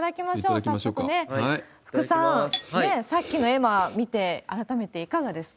早速ね、福さん、さっきの絵馬見て、改めていかがですか？